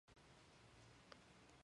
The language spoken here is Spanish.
Situado a la izquierda del río Esla.